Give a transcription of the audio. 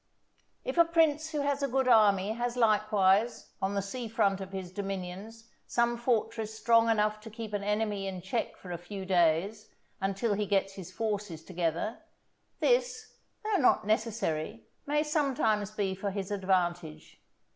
If a prince who has a good army has likewise, on the sea front of his dominions, some fortress strong enough to keep an enemy in check for a few days, until he gets his forces together, this, though not necessary, may sometimes be for his advantage.